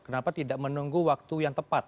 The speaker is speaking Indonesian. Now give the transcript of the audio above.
kenapa tidak menunggu waktu yang tepat